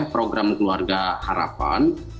program keluarga harapan